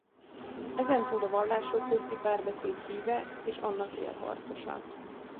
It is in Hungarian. Ezen túl a vallások közti párbeszéd híve és annak élharcosa.